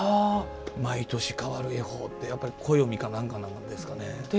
毎年、変わる恵方って暦か何かなんですかね。